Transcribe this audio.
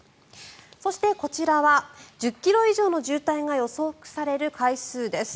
そして、こちらは１０ｋｍ以上の渋滞が予想される回数です。